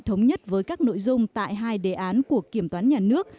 thống nhất với các nội dung tại hai đề án của kiểm toán nhà nước